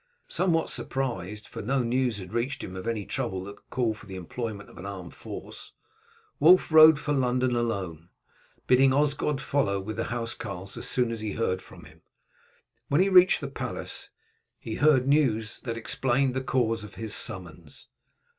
Somewhat surprised, for no news had reached him of any trouble that could call for the employment of an armed force, Wulf rode for London alone, bidding Osgod follow with the housecarls as soon as he heard from him. When he reached the palace he heard news that explained the cause of his summons.